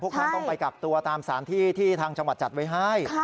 พวกท่านจังการตามกลับตัวตามสาเหตุที่จัดไว้ให้